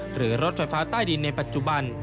หรือรถไฟฟ้าใต้ดินในปัจจุบัน